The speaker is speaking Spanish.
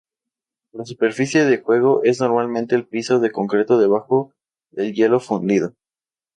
La superficie de juego es normalmente el piso de concreto debajo del hielo fundido.